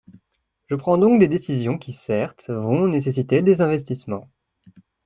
Je prends donc des décisions qui, certes, vont nécessiter des investissements.